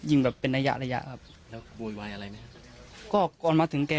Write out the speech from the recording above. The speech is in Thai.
แบบเป็นระยะระยะครับแล้วโวยวายอะไรไหมก็ก่อนมาถึงแก